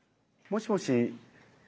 もしもし。